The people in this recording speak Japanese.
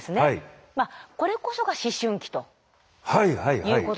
まあこれこそが思春期ということなんです。